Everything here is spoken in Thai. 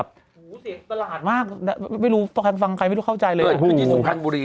สูทรภัณฑ์บุรี